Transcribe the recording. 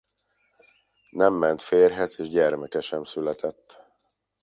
Nem ment férjhez és gyermeke sem született.